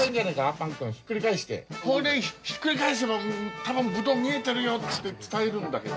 これひっくり返せばたぶんブドウ見えてるよって伝えるんだけど。